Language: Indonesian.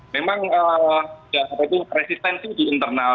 memang resistensi di internal